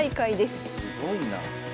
すごいな。